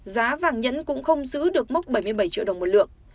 giá vàng nhẫn cũng không giữ được mốc bảy mươi bảy triệu đồng một lượng